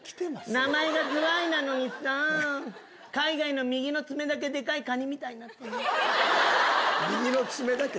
名前がズワイなのにさ、海外の右の爪だけでかいカニみたいになってるの。